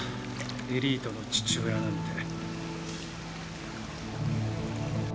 エリートの父親なんて。